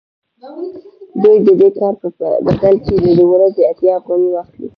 دوی د دې کار په بدل کې د ورځې اتیا افغانۍ واخلي